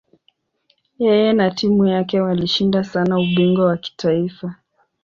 Yeye na timu yake walishinda sana ubingwa wa kitaifa.